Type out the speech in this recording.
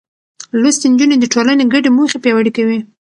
لوستې نجونې د ټولنې ګډې موخې پياوړې کوي.